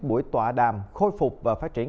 buổi tọa đàm khôi phục và phát triển